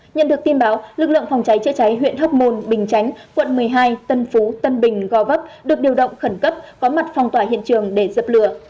nhận được tin báo lực lượng phòng cháy chữa cháy huyện hóc môn bình chánh quận một mươi hai tân phú tân bình gò vấp được điều động khẩn cấp có mặt phong tỏa hiện trường để dập lửa